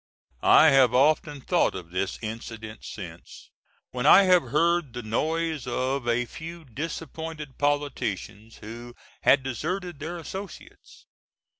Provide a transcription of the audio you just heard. I have often thought of this incident since when I have heard the noise of a few disappointed politicians who had deserted their associates.